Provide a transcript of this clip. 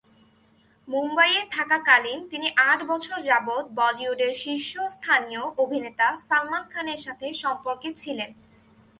মুম্বইয়ে থাকাকালীন তিনি আট বছর যাবত বলিউডের শীর্ষস্থানীয় অভিনেতা সালমান খানের সাথে সম্পর্কে ছিলেন।